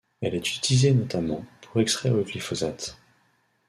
Elle est utilisée notamment pour extraire le Glyphosate.